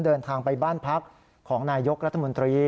เดินทางไปบ้านพักของนายกรัฐมนตรี